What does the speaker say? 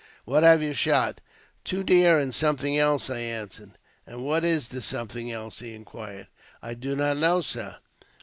" What have you shot ?"*' Two deer and something else," I answered. " And what is the something else ?" he inquired. " I do not know, sir."